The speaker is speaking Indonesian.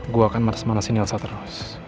gue akan matas matasin elsa terus